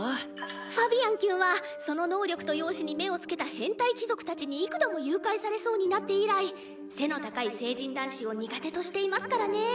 ファビアンきゅんはその能力と容姿に目を付けた変態貴族たちに幾度も誘拐されそうになって以来背の高い成人男子を苦手としていますからね。